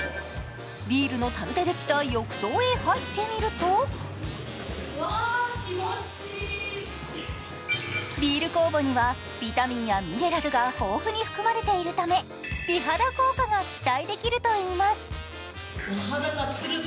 ビールのたるでできた浴槽に入ってみるとビール酵母にはビタミンやミネラルが豊富に含まれているため美肌効果が期待できるといいます。